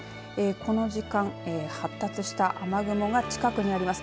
この時間発達した雨雲が近くにあります。